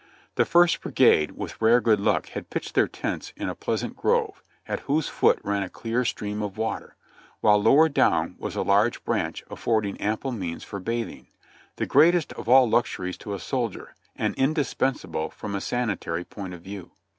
The First Brigade, wath rare good luck, had pitched their tents in a pleasant grove, at whose foot ran a clear stream of water, while lower down was a large branch affording ample means for bathing, the greatest of all luxuries to a soldier, and indispensable from a sanitary point of view.